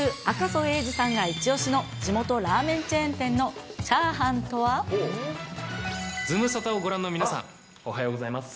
俳優、赤楚衛二さんが一押しの、地元ラーメンチェーン店のチャーハンとズムサタをご覧の皆さん、おはようございます。